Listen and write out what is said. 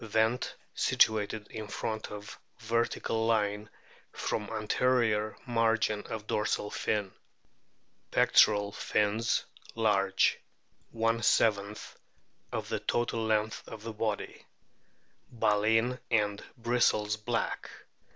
Vent situated in front of vertical line from anterior margin of dorsal fin. Pectoral fins large, \ of total length of body. Baleen and bristles black.